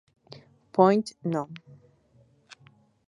Point No.